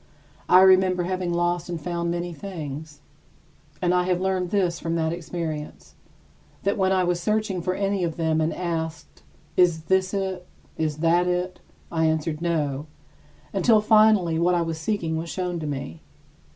I remember having lost and found many things, and I have learned this from that experience: that when I was searching for any of them and was asked: "Is this it? Is that it?" I answered, "No," until finally what I was seeking was shown to me.